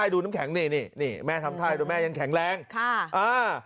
ดูน้ำแข็งนี่นี่แม่ทำท่าให้ดูแม่ยังแข็งแรงค่ะอ่า